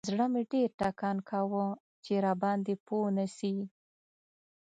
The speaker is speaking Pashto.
زړه مې ډېر ټکان کاوه چې راباندې پوه نسي.